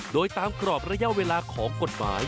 โดยตามกรอบระยะเวลาของกฎหมาย